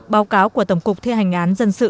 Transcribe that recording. báo cáo của tổng cục thi hành án dân sự